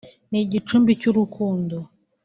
ni igicumbi cy’urukundo